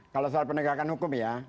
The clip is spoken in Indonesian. kalau soal penegakan hukum ya